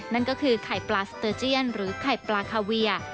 นั่นก็คือไข่ปลาสเตอร์เจียนหรือไข่ปลาคาเวีย